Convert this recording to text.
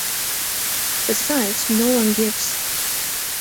Besides, no one gives.